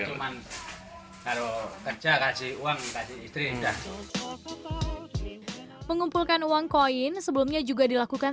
cuman kalau kerja kasih uang kasih mengumpulkan uang koin sebelumnya juga dilakukan